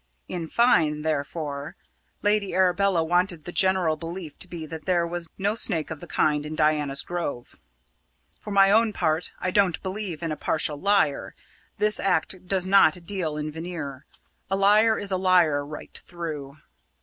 In fine, therefore, Lady Arabella wanted the general belief to be that there was no snake of the kind in Diana's Grove. For my own part, I don't believe in a partial liar this art does not deal in veneer; a liar is a liar right through.